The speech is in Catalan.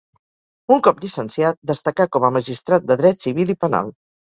Un cop llicenciat, destacà com a magistrat de dret civil i penal.